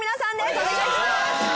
お願いします。